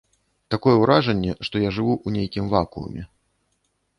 Такое ўражанне, што я жыву ў нейкім вакууме.